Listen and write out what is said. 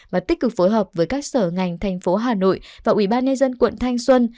và tích cực phối hợp với các sở ngành tp hà nội và ubnd quận thanh xuân